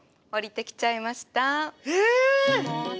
降りてきちゃいました。